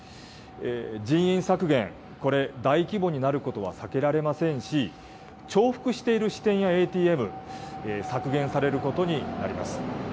人員削減、これ、大規模になることは避けられませんし、重複している支店やＡＴＭ、削減されることになります。